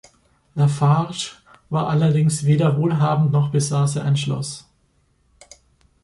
Lafarge war allerdings weder wohlhabend noch besaß er ein Schloss.